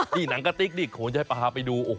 นี่หนังกะติ๊กนี่ผมจะให้ปลาไปดู